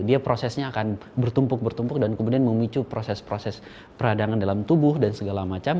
dia prosesnya akan bertumpuk bertumpuk dan kemudian memicu proses proses peradangan dalam tubuh dan segala macam